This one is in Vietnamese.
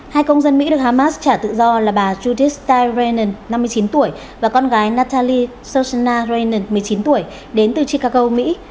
hai công dân mỹ được hamas trả tự do là bà judith steyer reynon năm mươi chín tuổi và con gái natalie sosana reynon một mươi chín tuổi đến từ chicago mỹ